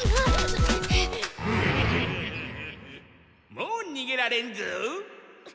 もうにげられんぞ。